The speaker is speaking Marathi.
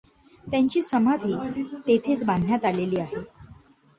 त्यांची समाधी तेथेच बांधण्यात आलेली आहे.